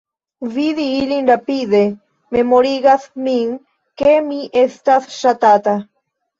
Vidi ilin rapide memorigas min ke mi estas ŝatata.